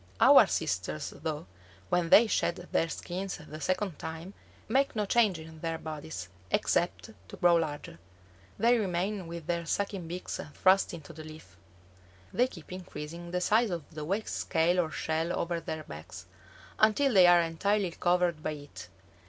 Our sisters, though, when they shed their skins the second time, make no change in their bodies, except to grow larger. They remain with their sucking beaks thrust into the leaf. They keep increasing the size of the wax scale or shell over their backs, until they are entirely covered by it.